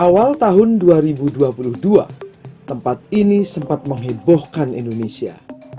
awal tahun dua ribu dua puluh dua tempat ini sempat menghiburkan indonesia